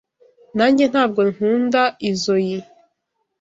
Nanjye ntabwo nkunda izoi.